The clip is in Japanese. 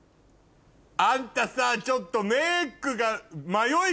あんたさちょっと。